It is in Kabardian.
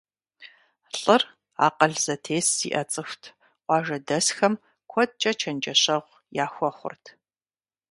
ЛӀыр акъыл зэтес зиӀэ цӀыхут, къуажэдэсхэм куэдкӀэ чэнджэщэгъу яхуэхъурт.